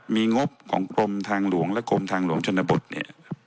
มีงบของกรมทางหลวงและกรมทางหลวงชนบทเนี่ย